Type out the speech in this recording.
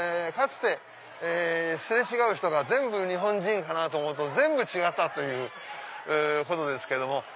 かつて擦れ違う人が全部日本人かなと思うと全部違ったということですけど。